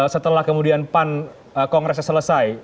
setelah kemudian pan kongresnya selesai